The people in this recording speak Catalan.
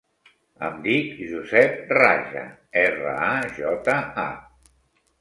Em dic Josep Raja: erra, a, jota, a.